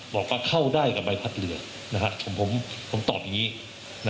บอกว่าเข้าได้กับใบพัดเหลือนะครับผมผมผมตอบอย่างงี้